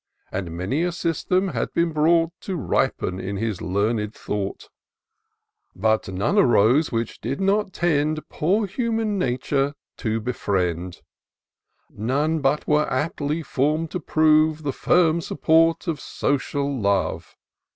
And many a system had been brought To ripen in his learned thought ; But none arose which did not tend Poor human nature to befriend ; None but were aptly form'd to prove The firm support of social love.